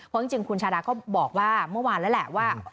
เพราะจริงคุณชาดาก็บอกว่าเมื่อวานแล้วแหละว่า